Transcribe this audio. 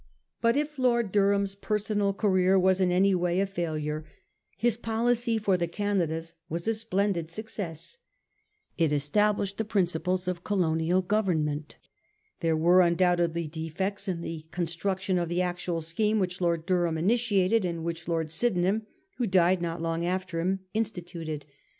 But if Lord Durham's personal career was in any way a failure, his policy for the Canadas was a splendid success. It established the principles of colonial government. There were undoubtedly defects in the construction of the actual scheme which Lord Dur ham initiated, and which Lord Sydenham, who died not long after him, instituted.